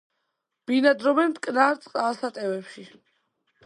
ბინადრობენ მტკნარ წყალსატევებში.